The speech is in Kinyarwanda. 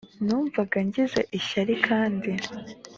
numvaga ngize ishyari kandi